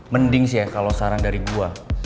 mending sih ya kalo saran dari gue